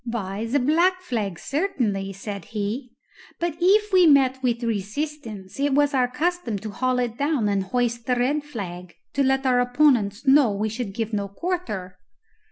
"Why, the black flag, certainly," said he; "but if we met with resistance, it was our custom to haul it down and hoist the red flag, to let our opponents know we should give no quarter."